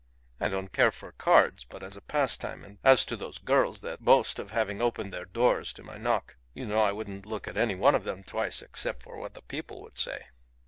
I don't care for cards but as a pastime; and as to those girls that boast of having opened their doors to my knock, you know I wouldn't look at any one of them twice except for what the people would say.